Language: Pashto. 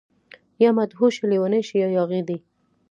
يا مدهوشه، لیونۍ شي يا ياغي دي